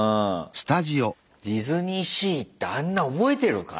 ディズニーシー行ってあんな覚えてるか？